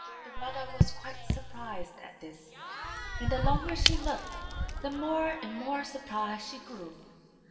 Their mother was quite surprised at this; and the longer she looked, the more and more surprised she grew.